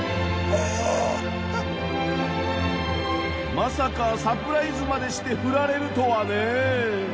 まさかサプライズまでしてフラれるとはね。